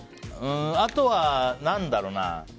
うん、あとは何だろうな。